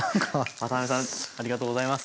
渡辺さんありがとうございます。